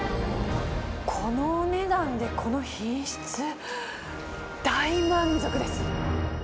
このお値段でこの品質、大満足です。